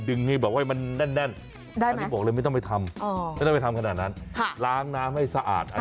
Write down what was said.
ดึงให้แน่นอันนี้บอกไม่ต้องไปทำร้างน้ำให้สะอาด